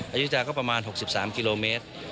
อายุจากก็ประมาณ๖๓กิโลเมตร